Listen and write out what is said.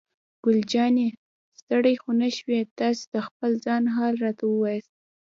ګل جانې: ستړی خو نه شوې؟ تاسې د خپل ځان حال راته ووایاست.